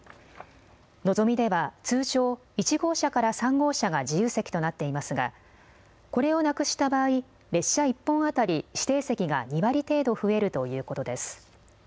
のぞみでは通常、１号車から３号車が自由席となっていますがこれをなくした場合、列車１本当たり指定席が２割程度増えるということです。